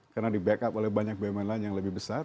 karena di backup oleh banyak bma lain yang lebih besar